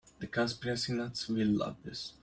The conspiracy nuts will love this.